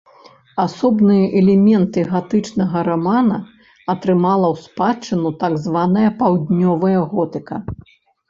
Асобныя элементы гатычнага рамана атрымала ў спадчыну так званая паўднёвая готыка.